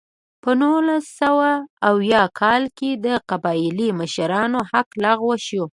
په نولس سوه اویا کال کې د قبایلي مشرانو حق لغوه شو.